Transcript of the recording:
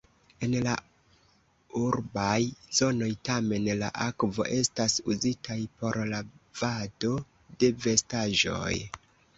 En la urbaj zonoj tamen la akvo estas uzitaj por lavado de vestaĵoj.